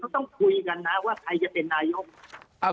ต้องคุยกันนะว่าใครจะเป็นนายก